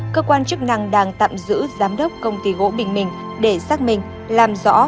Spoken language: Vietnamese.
cơ quan chức năng đang tạm giữ giám đốc công ty gỗ bình minh để xác minh làm rõ